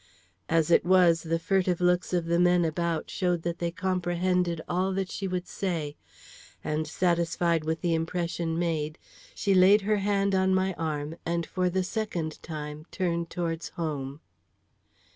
As it was, the furtive looks of the men about showed that they comprehended all that she would say; and, satisfied with the impression made, she laid her hand on my arm, and for the second time turned towards home.